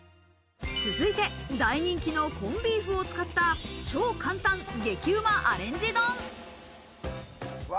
続いて大人気のコンビーフを使った超簡単、激うまアレンジ丼。